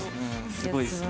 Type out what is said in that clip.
すごいっすね。